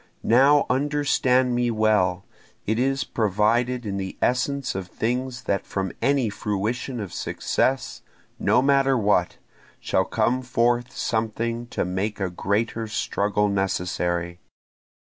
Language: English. Now understand me well it is provided in the essence of things that from any fruition of success, no matter what, shall come forth something to make a greater struggle necessary.